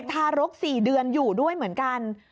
ทารก๔เดือนอยู่ด้วยเหมือนกัน